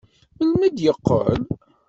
Melmi d-yeqqel?